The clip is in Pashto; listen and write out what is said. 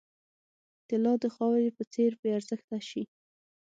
طلا د خاورې په څېر بې ارزښته شي.